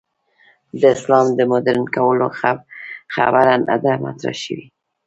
د اسلام د مډرن کولو خبره نه ده مطرح شوې.